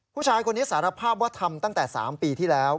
ผู้ชายคนนี้สารภาพว่าทำตั้งแต่๓ปีที่แล้ว